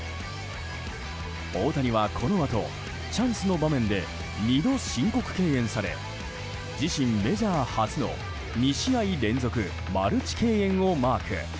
大谷はこのあとチャンスの場面で２度、申告敬遠され自身メジャー初の２試合連続マルチ敬遠をマーク。